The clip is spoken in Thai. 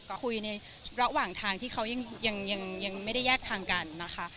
ก็คุยในระหว่างทางที่เขายังไม่ได้แยกทางกันนะคะ